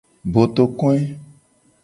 Botokoe.